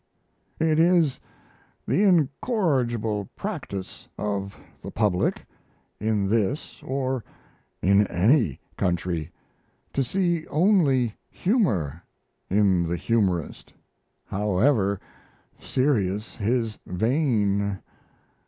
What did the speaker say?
It is the incorrigible practice of the public, in this or in any country, to see only humour in the humorist, however serious his vein.